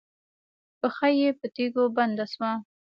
پښه یې په تيږو بنده شوه.